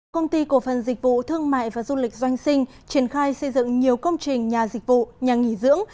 công ty cổ phần dịch vụ thương mại và du lịch doanh sinh triển khai xây dựng nhiều công trình nhà dịch vụ nhà nghỉ dưỡng